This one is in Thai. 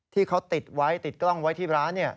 ที่เขาติดไว้ติดกล้องไว้ที่ร้าน